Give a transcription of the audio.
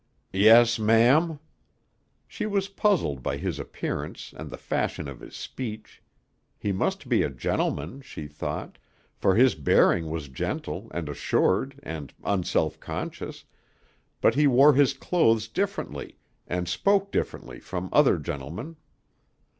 "Yes, ma'am." She was puzzled by his appearance and the fashion of his speech. He must be a gentleman, she thought, for his bearing was gentle and assured and unself conscious, but he wore his clothes differently and spoke differently from other gentlemen.